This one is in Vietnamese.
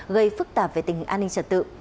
gây phức tạp về tình hình an ninh trật tự